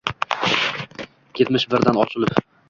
Ketmish birdan ochilib.